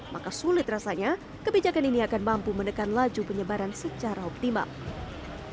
maka sulit rasanya kebijakan ini akan mampu menekan laju penyebaran secara optimal